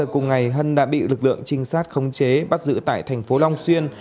cùng ngày hân đã bị lực lượng trinh sát khống chế bắt giữ tại thành phố long xuyên